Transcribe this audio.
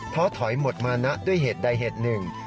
ท้อถอยหมดมานะด้วยเหตุใดเหตุหนึ่ง